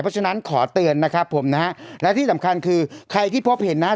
เพราะฉะนั้นขอเตือนนะครับผมนะฮะและที่สำคัญคือใครที่พบเห็นนะฮะ